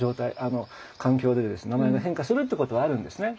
名前が変化するっていうことはあるんですね。